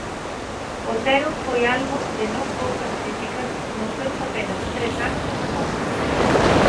Otero foi albo de non poucas críticas nos seus apenas tres anos de mandato.